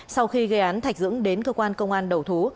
sau khi gây án thạch dũng đến cơ quan công an đầu thú